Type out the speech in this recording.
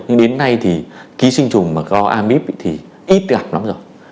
nhưng đến nay thì ký sinh trùng mà có amip thì ít gặp lắm rồi